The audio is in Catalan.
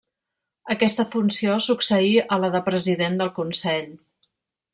Aquesta funció succeí a la de president del Consell.